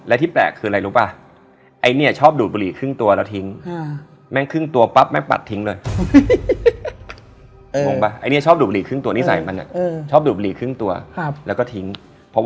อันนี้มันยังเป็นเขายังรู้สึกว่า